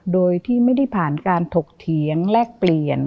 โดยที่ไม่ได้ผ่านการถกเถียงแลกเปลี่ยน